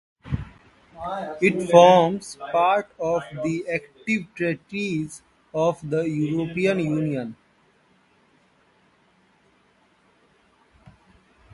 It forms part of the active treaties of the European Union.